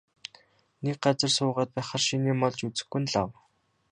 Нэг газар суугаад байхаар шинэ юм олж үзэхгүй нь лав.